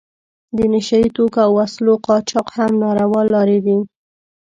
د نشه یي توکو او وسلو قاچاق هم ناروا لارې دي.